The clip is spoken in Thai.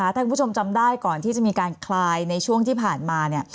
ถ้าคุณผู้ชมจำได้ก่อนที่จะมีการคลายในช่วงที่ผ่านมา